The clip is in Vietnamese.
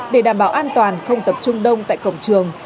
để đảm bảo an toàn không tập trung đông tại cổng trường